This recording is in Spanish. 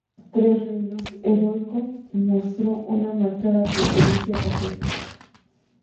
Como monarca de los tres reinos, Erico mostró una marcada preferencia hacia Dinamarca.